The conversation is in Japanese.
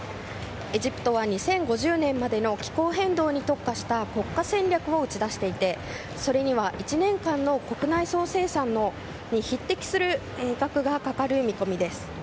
エジプトは２０５０年までの気候変動に特化した国家戦略を打ち出していてそれには１年間の国内総生産に匹敵する額がかかる見込みです。